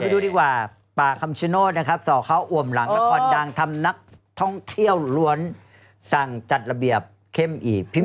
ดูดีกว่าป่าคำชโนธนะครับส่อเขาอ่วมหลังละครดังทำนักท่องเที่ยวล้วนสั่งจัดระเบียบเข้มอีก